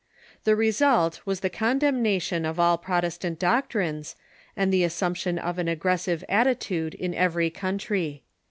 The result was the condemnation of all Protestant doctrines, and the assumption of an aggressive attitude in every country.